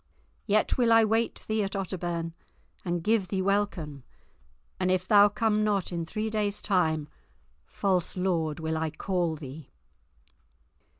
Yet will I wait thee at Otterbourne to give thee welcome, and if thou come not in three days' time, false lord, will I call thee!"